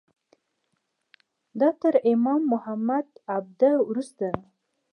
دا تر امام محمد عبده وروسته ده.